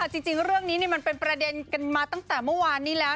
จริงเรื่องนี้มันเป็นประเด็นกันมาตั้งแต่เมื่อวานนี้แล้ว